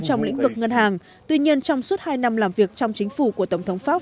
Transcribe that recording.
trong lĩnh vực ngân hàng tuy nhiên trong suốt hai năm làm việc trong chính phủ của tổng thống pháp